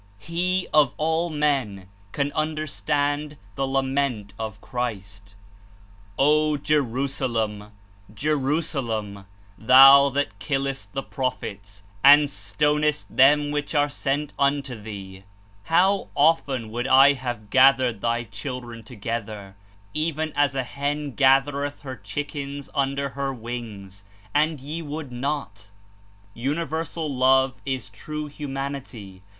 He, of all men, can understand the lament of Christ: "O Je rusalem, Jerusalem, thou that killest the prophets, and stonest them which are sent unto thee, how often 156 would I have gathered thy children together, even as a hen gathereth her chickens under her wings, and ye would not." Universal love Is true humanity.